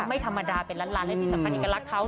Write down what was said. ไม่ธรรมดาเป็นร้านไร้มีสัมพันธ์เอกรักษ์เขา